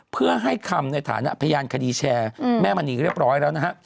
เพื่อให้คำในฐานะพยานคดีแชร์แม่มณีเรียบร้อยแล้วนะฮะ